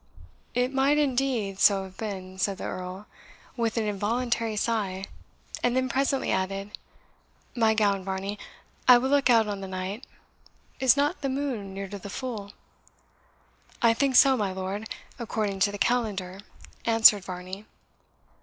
"It might, indeed, so have been" said the Earl, with an involuntary sigh; and then presently added, "My gown, Varney; I will look out on the night. Is not the moon near to the full?" "I think so, my lord, according to the calendar," answered Varney.